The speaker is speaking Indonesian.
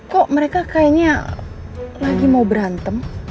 kok mereka kayaknya lagi mau berantem